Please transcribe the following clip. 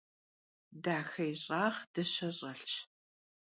Daxe yi ş'ağ dışe ş'elhş.